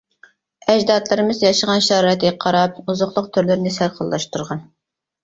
ئەجدادلىرىمىز ياشىغان شارائىتىغا قاراپ ئوزۇقلۇق تۈرلىرىنى سەرخىللاشتۇرغان.